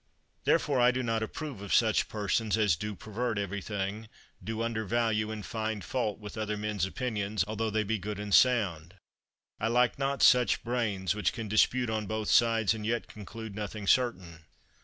Therefore I do not approve of such persons as do pervert everything, do under value and find fault with other men's opinions, although they be good and sound; I like not such brains which can dispute on both sides, and yet conclude nothing certain.